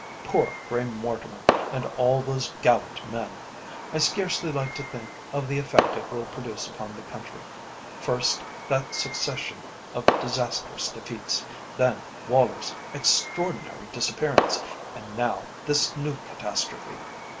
"Poor Grey Mortimer and all those gallant men! I scarcely like to think of the effect it will produce upon the country. First, that succession of disastrous defeats, then Woller's extraordinary disappearance, and now this new catastrophe.